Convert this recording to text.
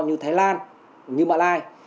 như thái lan như mạ lai